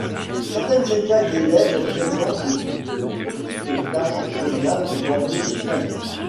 Certaines écailles des lèvres présentent de petites taches jaunâtres bordées de sombre.